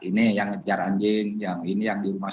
ini yang ngejar anjing yang ini yang di rumah